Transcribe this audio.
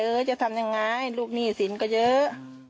จะทำยังไงลูกหนี้สินก็เยอะ